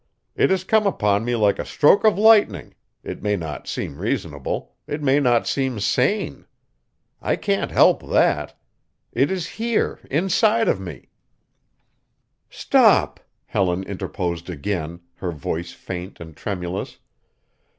It has come upon me like a stroke of lightning it may not seem reasonable it may not seem sane. I can't help that. It is here inside of me" "Stop," Helen interposed again, her voice faint and tremulous.